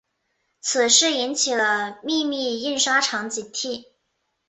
此事引起了秘密印刷厂警惕。